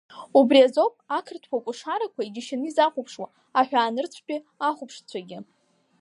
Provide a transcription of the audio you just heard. Убриазоуп ақырҭуа кәашарақәа иџьашьаны изахәаԥшуа аҳәаанырцәтәи ахәаԥшцәагьы.